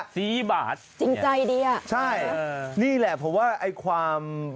สีบาทจริงใจดีอ่ะใช่นี่แหละเพราะว่าไอ้ความ